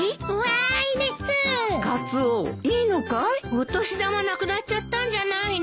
お年玉なくなっちゃったんじゃないの？